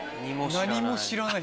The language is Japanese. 何も知らない。